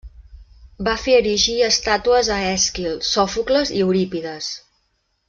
Va fer erigir estàtues a Èsquil, Sòfocles, i Eurípides.